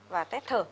và test thở